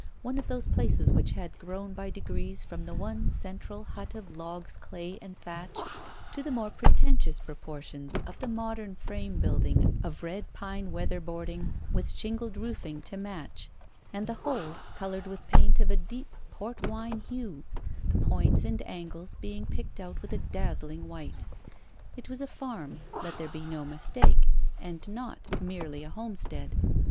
One of those places which had grown by degrees from the one central hut of logs, clay and thatch to the more pretentious proportions of the modern frame building of red pine weather boarding, with shingled roofing to match, and the whole coloured with paint of a deep, port wine hue, the points and angles being picked out with a dazzling white. It was a farm, let there be no mistake, and not merely a homestead.